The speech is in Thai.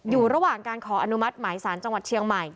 อยู่ระหว่างการขออนุมัติหมายสารจังหวัดเชียงใหม่